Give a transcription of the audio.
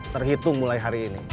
terhitung mulai hari ini